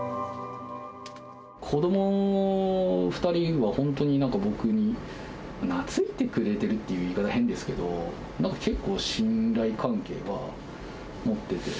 子ども２人が本当に、なんか僕に懐いてくれているっていう言い方、変ですけど、なんか結構、信頼関係は持ってて。